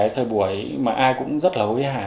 thời buổi mà ai cũng rất là hối hả